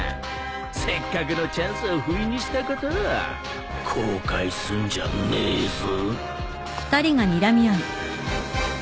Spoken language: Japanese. せっかくのチャンスをふいにしたこと後悔すんじゃねえぞ。